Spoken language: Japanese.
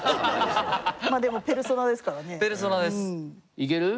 いける？